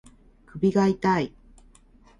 首が痛い